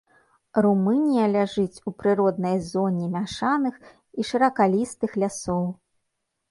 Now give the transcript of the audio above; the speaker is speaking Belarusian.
Румынія ляжыць у прыроднай зоне мяшаных і шыракалістых лясоў.